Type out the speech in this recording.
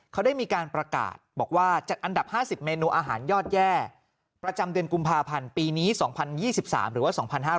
เขาได้มีการประกาศบอกว่าจัดอันดับ๕๐เมนูอาหารยอดแย่ประจำเดือนกุมภาพันธ์ปีนี้๒๐๒๓หรือว่า๒๕๕๙